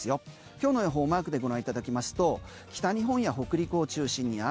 今日の予報マークでご覧いただきますと北日本や北陸を中心に雨。